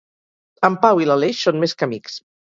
En Pau i l'Aleix són més que amics.